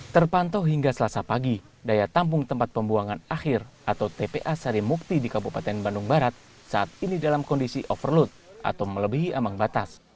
terpantau hingga selasa pagi daya tampung tempat pembuangan akhir atau tpa sarimukti di kabupaten bandung barat saat ini dalam kondisi overload atau melebihi ambang batas